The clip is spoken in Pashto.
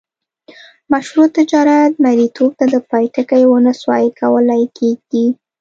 مشروع تجارت مریتوب ته د پای ټکی ونه سوای کولای کښيږدي.